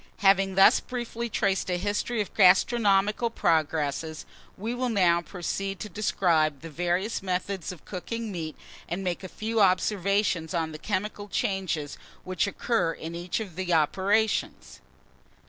HAVING THUS BRIEFLY TRACED A HISTORY OF GASTRONOMICAL PROGRESSES, we will now proceed to describe the various methods of cooking meat, and make a few observations on the chemical changes which occur in each of the operations.